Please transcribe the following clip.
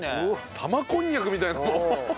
玉こんにゃくみたい。